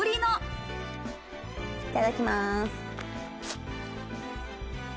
いただきます。